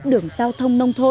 đường giao thông nông thôn